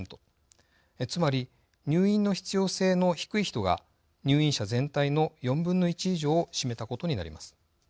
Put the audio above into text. つまり入院の必要性の低い人が入院者全体の４分の１以上を占めたことになります。